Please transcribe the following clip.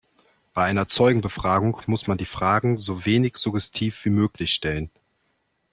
Bei einer Zeugenbefragung muss man die Fragen so wenig suggestiv wie möglich stellen.